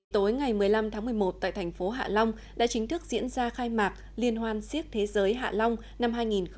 tối ngày một mươi năm tháng một mươi một tại thành phố hạ long đã chính thức diễn ra khai mạc liên hoan siếc thế giới hạ long năm hai nghìn một mươi chín